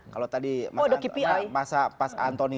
kalau tadi pas antoni